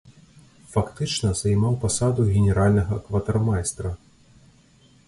Фактычна займаў пасаду генеральнага кватармайстра.